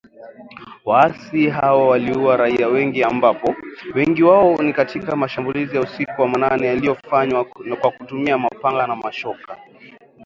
waasi hawa waliua raia wengi ambapo, wengi wao ni katika mashambulizi ya usiku wa manane yaliyofanywa kwa kutumia mapanga na mashoka